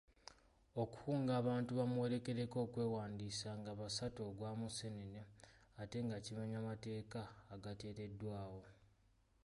Okukunga abantu bamuwerekereko okwewandiisa nga basatu ogwa musenene ate nga kimenya amateeka agateereddwawo.